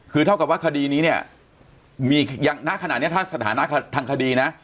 คือเท่ากับว่าคดีนี้เนี่ยมีอย่างณขณะนี้ถ้าสถานะทางคดีนะ